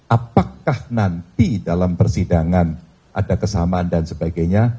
apakah nanti dalam persidangan ada kesamaan dan sebagainya